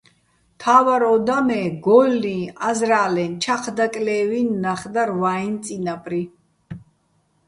მთა́ვარ ო და მე გო́ლლი, აზრა́ლეჼ, ჩაჴ დაკლე́ვი́ნი ნახ დარ ვაიჼ წინაპრი.